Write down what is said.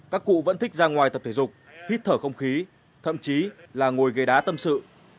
tập thể dục hít thở không khí thậm chí là ngồi gây đá tâm sự